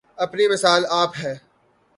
اپنی مثال آپ ہے